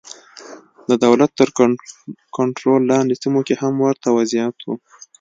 د دولت تر کنټرول لاندې سیمو کې هم ورته وضعیت و.